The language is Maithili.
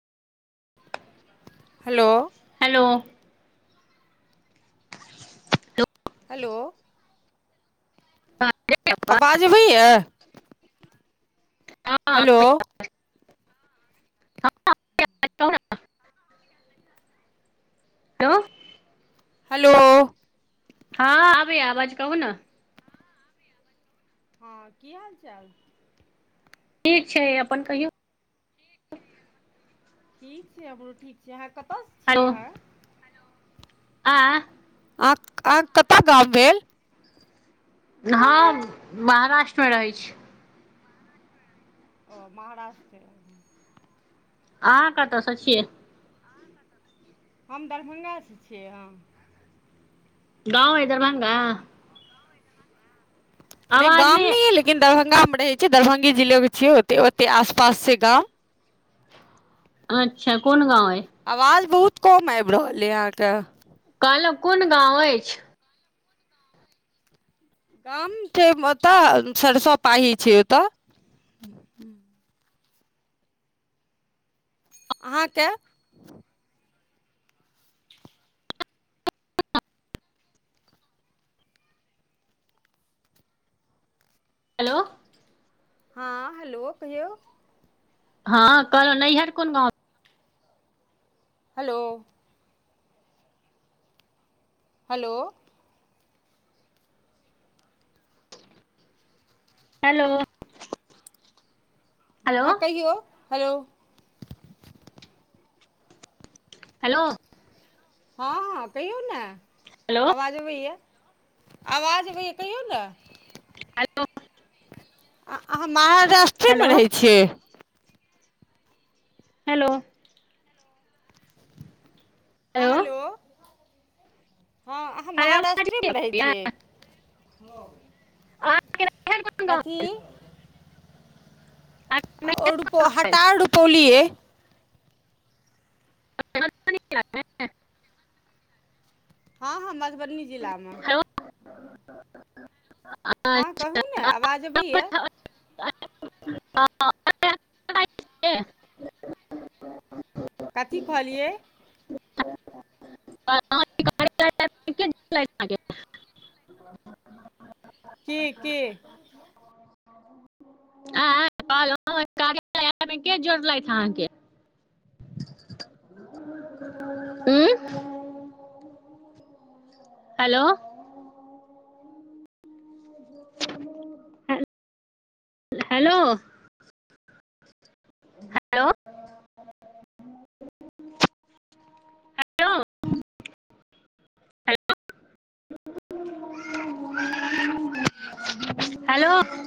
हेलो? Hello hello? हेलो आवाज अबैया? [inaudible] हेलो? [unintelligible] हेलो हलो हँ आबैया आवाज कहू न? हँ की हाल चाल? ठीक छै, अपन कहियौ? ठीक छै हमरो ठीक छै, अहाँ कतऽसँ हेलो छियै अहाँ आ। अहां, अहांक कतय गाम भेल? हम महाराष्ट्रमे रहैत छी। ओ महाराष्ट्र में। अहां कतऽ स छियै? हम दरभंगासँ छियै हम गाँव अइ दरभंगा? नहि गाम नहि अइ, लेकिन दरभंगामे रहैत छियै, दरभंगे जिलो के छियै, ओ ओतेक आसपास छै गाम। अच्छा! कोन गाँव अइ। आवाज बहुत कम आबि रहल अइ अहाँके। कहलहुं कोन गाँव अछि? गाम छै ओतऽ, सरिसब पाही छै ओतऽ। अहाँके? हेलो! हँ, हेलो! कहियौ। हँ, कहलौं नैहर कोन गाँव? हेलो! हेलो! हेलो! हँ कहियौ, हेलो! हेलो! हँ -हँ कहियौ ने, हेलो आवाज अबैया, आवाज अबैया, कहियौ ने। हेल आ अहाँ महाराष्ट्रेमे हेलो रहैत छियै? हेलो! हँ, हेलो! हँ, अहाँ अरे आवाज महाराष्ट्रे नहि मे रहै अबैये? छियै? अहांके गांव कथी [unintelligible] ओ रुपौ, हटार रुपौली अइ। मधुबनी जिला में। [inaudible] हँ- हँ मधुबनी जिलामे। हँ कहू ने, आवाज अबैया। हँ। [inaudible] कथी कहलियए? [unintelligible] के -के। आ, कहलउ कार्या एप के जोड़लै अहाँके? [inaudible] Hello! Hello! Hello! Hello hello!